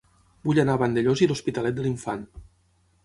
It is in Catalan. Vull anar a Vandellòs i l'Hospitalet de l'Infant